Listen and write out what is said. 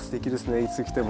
いつ来ても。